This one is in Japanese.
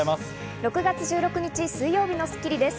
６月１６日、水曜日の『スッキリ』です。